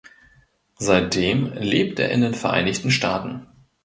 Seitdem lebt er in den Vereinigten Staaten.